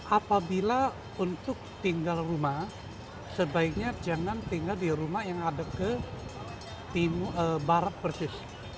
apabila untuk tinggal rumah sebaiknya jangan tinggal di rumah yang ada ke barat persis